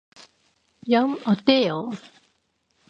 좀 어때요?